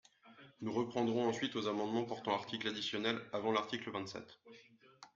Nous reprendrons ensuite aux amendements portant article additionnel avant l’article vingt-sept.